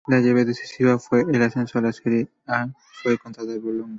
La llave decisiva por el ascenso a la Serie A, fue contra Bologna.